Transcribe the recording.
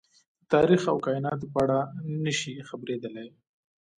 د تاريخ او کايناتو په اړه نه شي خبرېدلی.